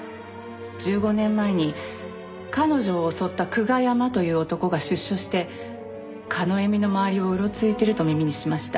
１５年前に彼女を襲った久我山という男が出所して叶笑の周りをうろついていると耳にしました。